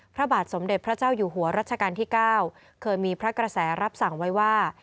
พระบาทสมเด็จพระเจ้าอยู่หัวรัชกาลที่๙เคยมีพระกระแสรับสั่งไว้ว่า